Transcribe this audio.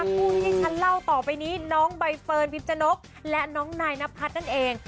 ดูให้ฉันเล่าต่อไปนี้น้องไบเฟิร์นพิพชนกและน้องนายนะพัดนั่นเอง